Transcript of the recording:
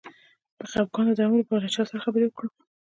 د خپګان د دوام لپاره له چا سره خبرې وکړم؟